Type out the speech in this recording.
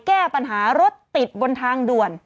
แก้ปัญหารถติดบนทางด่วน